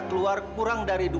kalau korang jauh